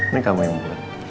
ini kamu yang buka